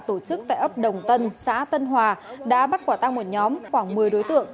tổ chức tại ấp đồng tân xã tân hòa đã bắt quả tăng một nhóm khoảng một mươi đối tượng